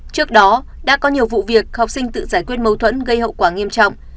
trước đó đã có nhiều vụ việc học sinh tự giải quyết mâu thuẫn gây hậu quả nghiêm trọng